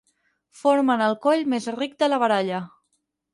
Formen el coll més ric de la baralla.